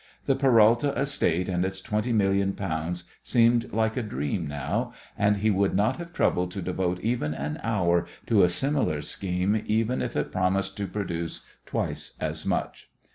The Peralta estate and its twenty million pounds seemed like a dream now, and he would not have troubled to devote even an hour to a similar scheme even if it promised to produce twice as much.